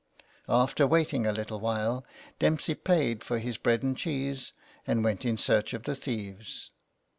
After waiting a little while, Dempsey paid for his bread and cheese, and went in search of the thieves.